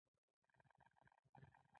پسه په ژمي کې غواړي چې په کټ کې ويده شي.